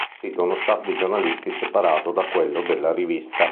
Il sito ha uno staff di giornalisti separato da quello della rivista.